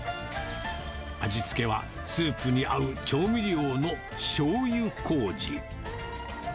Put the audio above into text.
味付けはスープに合う調味料のしょうゆこうじ。